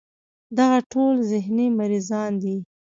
دغه ټول ذهني مريضان دي